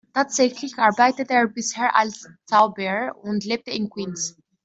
Tatsächlich arbeitete er bisher als Zauberer und lebte in Queens.